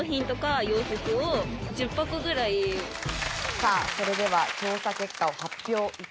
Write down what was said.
さあそれでは調査結果を発表致します。